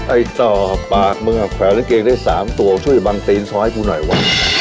ไอ้ต่อปากมึงแขวนกางเกงได้๓ตัวช่วยบังตีนซ้อยกูหน่อยวะ